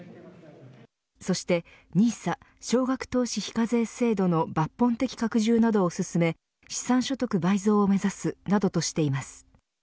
そしてＮＩＳＡ少額投資非課税制度の抜本的拡充などを進め資産所得倍増を目指すなどとしています。